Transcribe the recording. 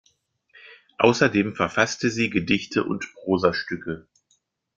Außerdem verfasste sie Gedichte und Prosastücke.